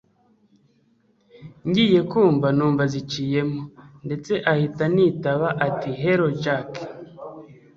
ngiye kumva numva ziciyemo ndetse ahita anitaba ati hello! jack